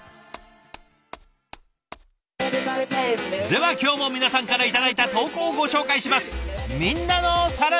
では今日も皆さんから頂いた投稿をご紹介します。